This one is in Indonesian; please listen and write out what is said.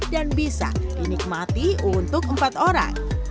dan bisa dinikmati untuk empat orang